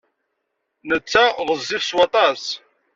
Netta ɣezzif s waṭas